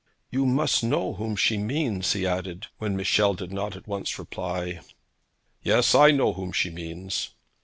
'You must know whom she means,' he added, when Michel did not at once reply. 'Yes; I know whom she means.'